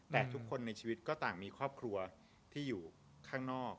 แต่ทุกคนในชีวิตก็ต่างมีครอบครัวที่อยู่ข้างนอก